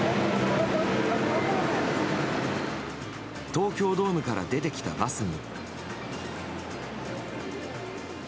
東京ドームから出てきたバスに。